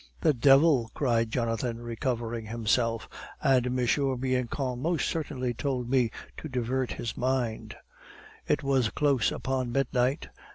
"The devil!" cried Jonathan, recovering himself. "And M. Bianchon most certainly told me to divert his mind." It was close upon midnight.